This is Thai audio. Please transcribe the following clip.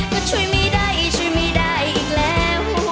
ก็ช่วยไม่ได้ช่วยไม่ได้อีกแล้ว